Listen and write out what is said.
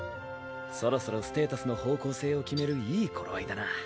そろそろステータスの方向性を決めるいい頃合いだな。